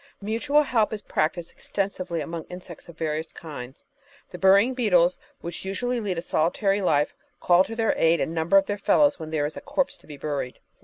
Mutual help is practised extensively among insects of various kinds. The Burying Beetles, which usually lead a solitary life, call to their aid a number of their fellows when there is a corpse to be buried.